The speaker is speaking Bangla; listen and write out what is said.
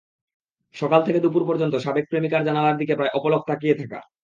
সকাল থেকে দুপুর পর্যন্ত সাবেক প্রেমিকার জানালার দিকে প্রায় অপলক তাকিয়ে থাকা।